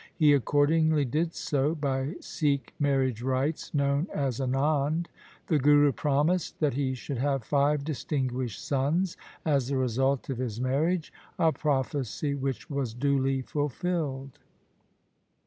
He accordingly did so by Sikh marriage rites known as Anand. The Guru promised that he should have five distinguished sons as the result of his marriage, a prophecy which was duly fulfilled.